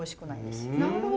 なるほど。